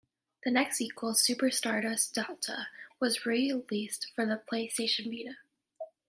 The next sequel, "Super Stardust Delta", was released for the PlayStation Vita.